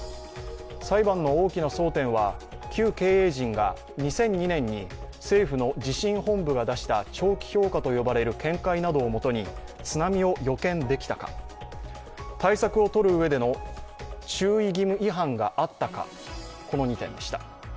裁判の大きな争点は、旧経営陣が２００２年に政府の自身本部が出した長期評価と呼ばれる見解をもとに津波を予見できたか、対策をとるうえでの注意義務違反があったか、この２点でした。